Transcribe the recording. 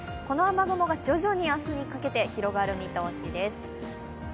この雨雲が徐々に明日にかけて広がる見通しです。